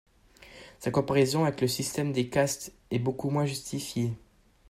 Sa comparaison avec le système des castes est beaucoup moins justifiée.